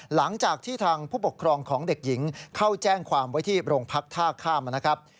หลังจากที่ทางผู้ปกครองของเด็กหญิงเข้าแจ้งความไว้ที่โรงพักท่าข้ามนะครับ